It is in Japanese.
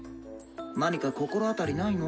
何か心当たりないの？